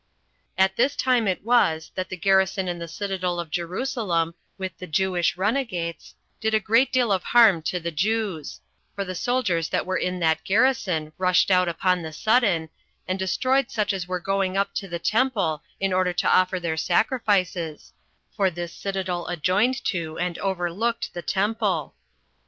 3. At this time it was that the garrison in the citadel of Jerusalem, with the Jewish runagates, did a great deal of harm to the Jews; for the soldiers that were in that garrison rushed out upon the sudden, and destroyed such as were going up to the temple in order to offer their sacrifices, for this citadel adjoined to and overlooked the temple.